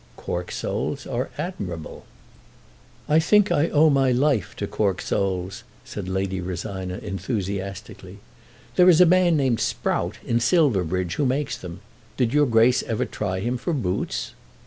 "Cork soles are admirable." "I think I owe my life to cork soles," said Lady Rosina enthusiastically. "There is a man named Sprout in Silverbridge who makes them. Did your Grace ever try him for boots?"